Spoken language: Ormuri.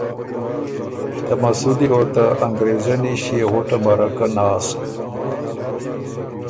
ته مسُودی او ته انګرېزنی ݭيې غُټه مَرَکۀ ناسک